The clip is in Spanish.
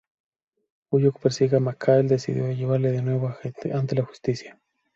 Bullock persigue a McCall, decidido a llevarle de nuevo ante la justicia.